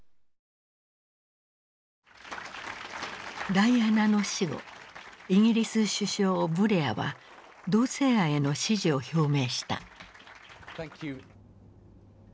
ダイアナの死後イギリス首相ブレアは同性愛への支持を表明した。